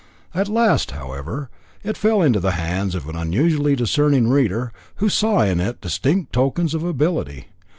At last, however, it fell into the hands of an unusually discerning reader, who saw in it distinct tokens of ability.